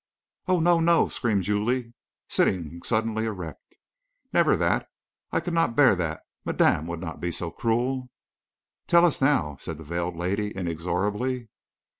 "Oh, no, no!" screamed Julie, sitting suddenly erect. "Never that! I could not bear that! Madame would not be so cruel!" "Then tell us now!" said the veiled lady, inexorably.